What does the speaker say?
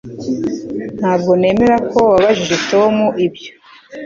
Ntabwo nemera ko wabajije Tom ibyo